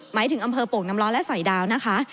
หมายถึงอำเภอโป่งน้ำร้อนและสอยดาวนะคะ